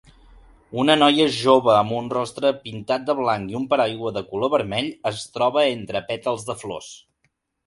Una noia jove amb un rostre pintat de blanc i un paraigua de color vermell es troba entre pètals de flors.